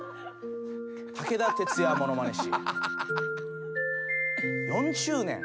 武田鉄矢ものまね史。